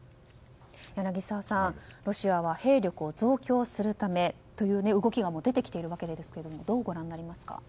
柳澤さん、ロシアは兵力を増強するためという動きがもう出てきてるわけですがどうご覧になりますか？